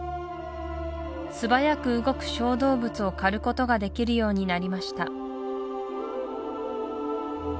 素早く動く小動物を狩ることができるようになりました